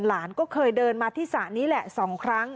หลานก็เคยเดินมาที่สระนี้แหละ๒ครั้ง